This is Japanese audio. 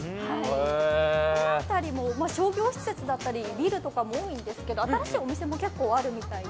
この辺りも商業施設だったりビルとかも多いんですけど新しいお店も多いみたいで。